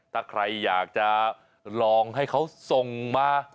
ถ้าใครอยากจะลองให้เขาส่งมา